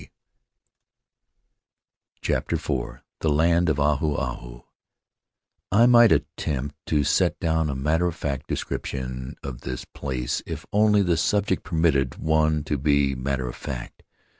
f/,v\ CHAPTER IV The Land of Aim Ahu MIGHT attempt to set down a matter of fact description of this place if only the subject permitted one to be matter of fact.